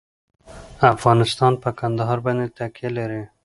افغانستان په کندهار باندې تکیه لري.